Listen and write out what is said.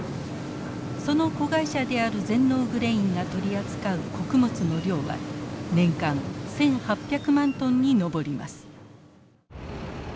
その子会社である全農グレインが取り扱う穀物の量は年間１，８００万トンに上ります。